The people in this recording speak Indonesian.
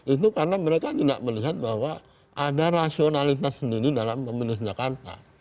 itu karena mereka tidak melihat bahwa ada rasionalitas sendiri dalam pemilih jakarta